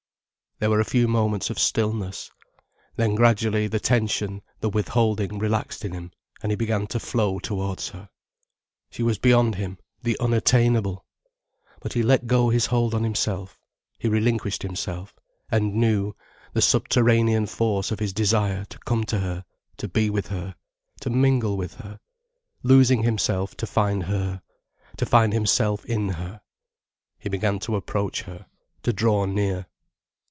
There were a few moments of stillness. Then gradually, the tension, the withholding relaxed in him, and he began to flow towards her. She was beyond him, the unattainable. But he let go his hold on himself, he relinquished himself, and knew the subterranean force of his desire to come to her, to be with her, to mingle with her, losing himself to find her, to find himself in her. He began to approach her, to draw near.